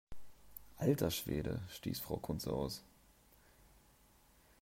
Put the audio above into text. Alter Schwede!, stieß Frau Kunze aus.